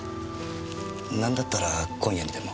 なんだったら今夜にでも。